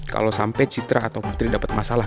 kalau sampe citra atau putri dapet masalah